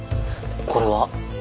これは？